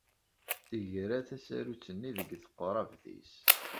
Tegra tasarut-nni deg teqrabt-is.